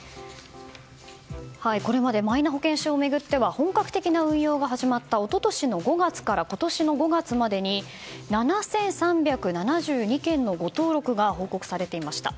これまでマイナ保険証を巡っては本格的な運用が始まった一昨年の５月から今年の５月までに７３７２件の誤登録が報告されていました。